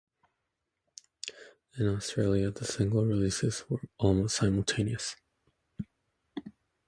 In Australia, the single releases were almost simultaneous.